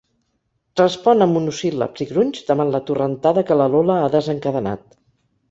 Respon amb monosíl·labs i grunys davant la torrentada que la Lola ha desencadenat.